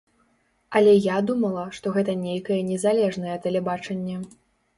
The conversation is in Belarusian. Але я думала, што гэта нейкае незалежнае тэлебачанне.